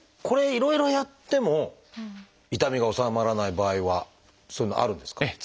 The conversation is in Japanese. これいろいろやっても痛みが治まらない場合はそういうのあるんですか？